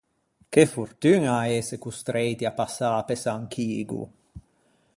Che fortuña ëse costreiti à passâ pe San Chigo!